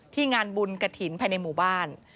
ที่งานบุญกฐินภายในหมู่บ้าน